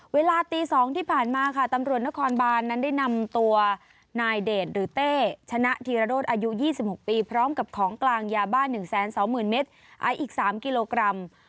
เวลาตี๒น่ะที่ผ่านมาค่ะ